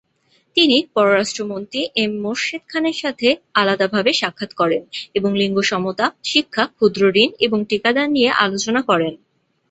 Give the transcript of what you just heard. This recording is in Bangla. তিনি পররাষ্ট্রমন্ত্রী এম মোর্শেদ খানের সাথে আলাদাভাবে সাক্ষাৎ করেন এবং লিঙ্গ সমতা, শিক্ষা, ক্ষুদ্রঋণ এবং টিকা দান নিয়ে আলোচনা করেন।